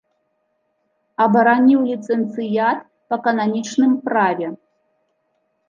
Абараніў ліцэнцыят па кананічным праве.